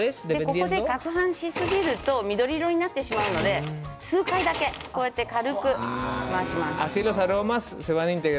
ここで、かくはんしすぎると緑色になってしまうので数回だけ、このように軽くかくはんしてください。